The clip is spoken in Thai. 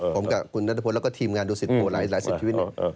ผมกับคุณนัตตาพวงและก็ทีมงานดูสิทธิ์โปรหลายสิทธิวิตนี้